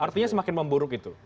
artinya semakin memburuk itu